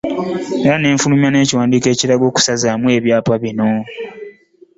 Era n'efulumya n'ekiwandiiko ekiragira okusazaamu ebyapa bino.